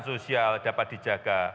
keamanan sosial dapat dijaga